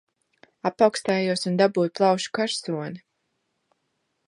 Apaukstējos un dabūju plaušu karsoni